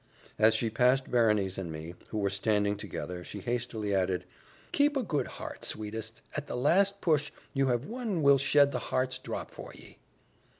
As she passed Berenice and me, who were standing together, she hastily added, "Keep a good heart, sweetest! At the last push, you have one will shed the heart's drop for ye!"